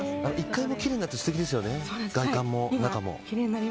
１階もきれいになって素敵ですよね、外観も、中も。